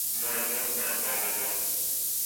مالیات برعایدات